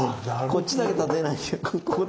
ここだけ立てない。